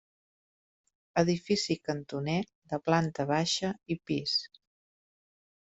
Edifici cantoner de planta baixa i pis.